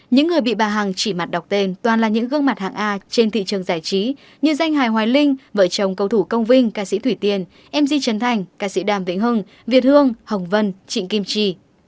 những người bị bà hằng chỉ mặt đọc tên toàn là những gương mặt hàng a trên thị trường giải trí như danh hải hoài linh vợ chồng cầu thủ công vinh ca sĩ thủy tiền mg trần thành ca sĩ đàm vĩnh hưng việt hương hồng vân trịnh kim chi